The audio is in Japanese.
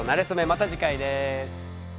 また次回です。